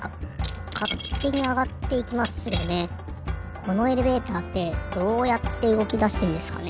このエレベーターってどうやってうごきだしてんですかね？